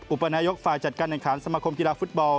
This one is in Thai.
อุปนายกฝ่ายจัดการแข่งขันสมาคมกีฬาฟุตบอล